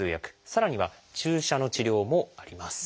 さらには注射の治療もあります。